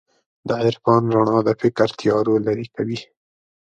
د عرفان رڼا د فکر تیارو لېرې کوي.